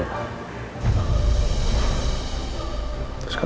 terus kenapa bangun saya